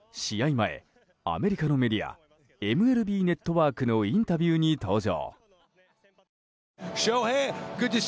前アメリカのメディアＭＬＢネットワークのインタビューに登場。